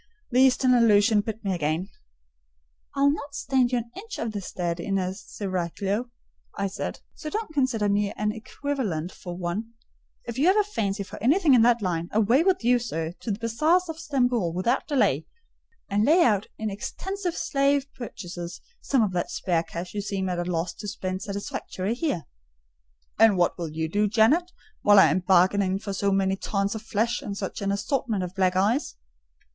The Eastern allusion bit me again. "I'll not stand you an inch in the stead of a seraglio," I said; "so don't consider me an equivalent for one. If you have a fancy for anything in that line, away with you, sir, to the bazaars of Stamboul without delay, and lay out in extensive slave purchases some of that spare cash you seem at a loss to spend satisfactorily here." "And what will you do, Janet, while I am bargaining for so many tons of flesh and such an assortment of black eyes?"